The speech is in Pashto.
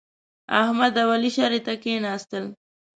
احمد او علي شرعې ته کېناستل.